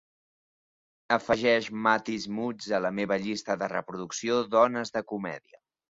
Afegeix Mathis Mootz a la meva llista de reproducció "dones de comèdia"